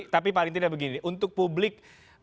tapi paling tidak begini untuk publik